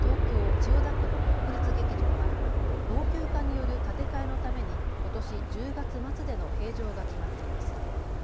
千代田区の国立劇場は老朽化による建て替えのためにことし１０月末での閉場が決まっています。